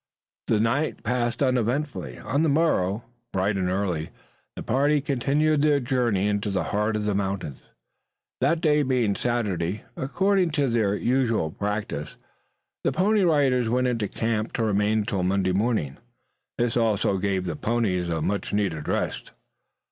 The night passed uneventfully. On the morrow, bright and early, the party continued their journey into the heart of the mountains. That day being Saturday, according to their usual practice, the Pony Riders went into camp to remain until Monday morning. This also gave the ponies a much needed rest.